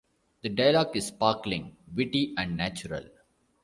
The dialogue is sparkling, witty and natural.